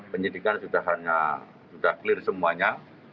penyidikan sudah clear semuanya